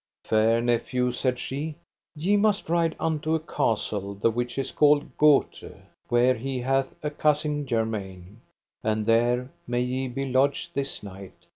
Fair nephew, said she, ye must ride unto a castle the which is called Goothe, where he hath a cousin germain, and there may ye be lodged this night.